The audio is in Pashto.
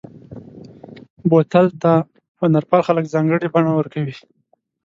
بوتل ته هنرپال خلک ځانګړې بڼه ورکوي.